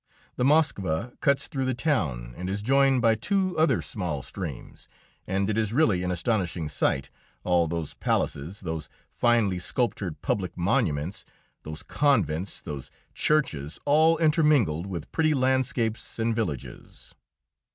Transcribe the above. The Moskva cuts through the town, and is joined by two other small streams, and it is really an astonishing sight all those palaces, those finely sculptured public monuments, those convents, those churches, all intermingled with pretty landscapes and villages.